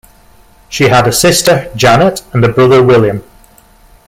She had a sister, Janet, and a brother, William.